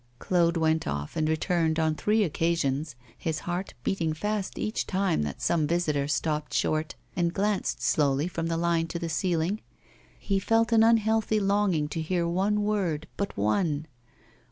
Claude went off and returned on three occasions, his heart beating fast each time that some visitor stopped short and glanced slowly from the line to the ceiling. He felt an unhealthy longing to hear one word, but one.